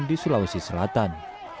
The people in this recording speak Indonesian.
di sulawesi selatan